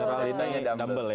mineralinanya dumbbell ya